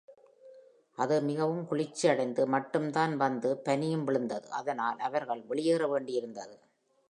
அது மிகவும் குளிர்ச்சி அடைந்து மட்டும் தான் வந்து, பனியும் விழுந்தது, அதனால், அவர்கள் வெளியேற வேண்டியிருந்தது.